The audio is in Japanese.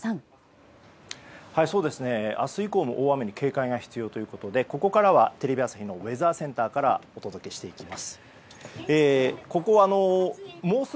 明日以降も大雨に警戒が必要ということでここからはテレビ朝日のウェザーセンターからお届けしていきます。